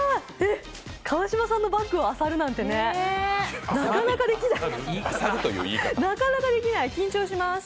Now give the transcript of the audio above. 川島さんのバッグをあさるなんてね、なかなかできない、緊張します。